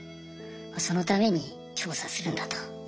そのために調査するんだと。